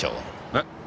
えっ？